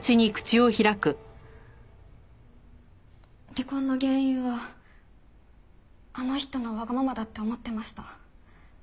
離婚の原因はあの人のわがままだって思ってました。